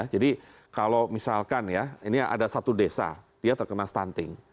kalau misalkan ya ini ada satu desa dia terkena stunting